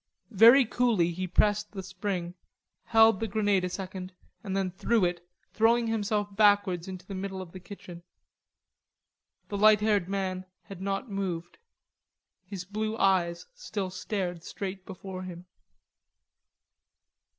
Very coolly he pressed the spring, held the grenade a second and then threw it, throwing himself backwards into the middle of the kitchen. The light haired man had not moved; his blue eyes still stared straight before him.